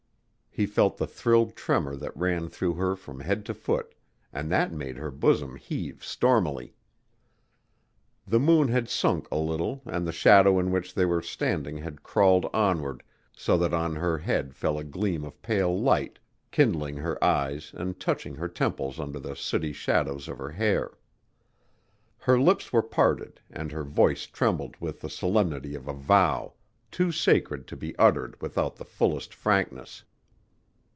He felt the thrilled tremor that ran through her from head to foot, and that made her bosom heave stormily. The moon had sunk a little and the shadow in which they were standing had crawled onward so that on her head fell a gleam of pale light, kindling her eyes and touching her temples under the sooty shadows of her hair. Her lips were parted and her voice trembled with the solemnity of a vow, too sacred to be uttered without the fullest frankness.